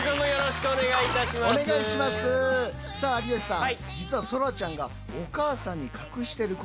さあ有吉さん